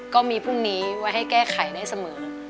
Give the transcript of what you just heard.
พรุ่งนี้ไว้ให้แก้ไขได้เสมอ